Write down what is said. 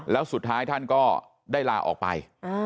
แล้วสุดท้ายท่านก็ได้ลาออกไป